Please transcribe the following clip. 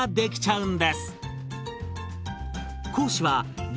うん。